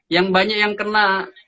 yang banyak yang kena